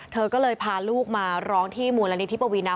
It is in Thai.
เธอก็เลยพาลูกมาร้องที่มูลนิธิปวีนา